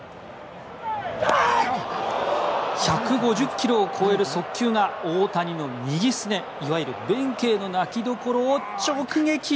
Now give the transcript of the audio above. １５０ｋｍを超える速球が大谷の右すねいわゆる弁慶の泣きどころを直撃。